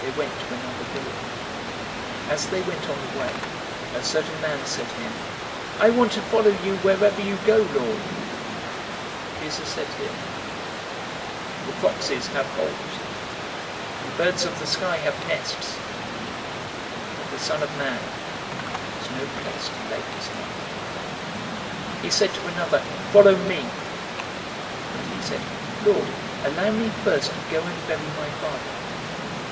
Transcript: They went to another village. 009:057 As they went on the way, a certain man said to him, "I want to follow you wherever you go, Lord." 009:058 Jesus said to him, "The foxes have holes, and the birds of the sky have nests, but the Son of Man has no place to lay his head." 009:059 He said to another, "Follow me!" But he said, "Lord, allow me first to go and bury my father."